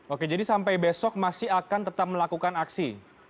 oke jadi sampai besok masih akan tetap melakukan aksi